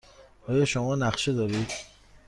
آیا شما نقشه دارید؟